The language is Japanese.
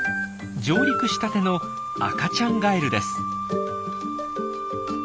上陸したての赤ちゃんガエルです。